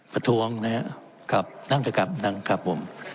ประท้วงนะครับกับนั่งจะกับนั่งกับผม